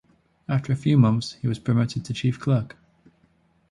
After a few months he was promoted to chief clerk.